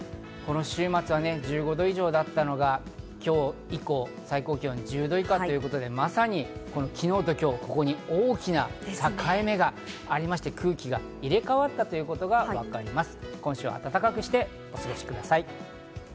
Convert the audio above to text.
札幌を見てみましても、この週末は１５度以上だったのが今日以降、最高気温１０度以下ということで、まさに昨日と今日、大きな境い目がありまして、空気が入れ替わったということがわかります。